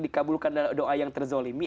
dikabulkan dalam doa yang terzolimi